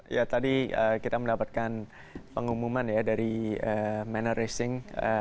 ya tadi kita mendapatkan pengumuman ya dari manor racing